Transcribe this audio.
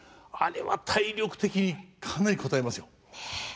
あれは体力的にかなりこたえますよ。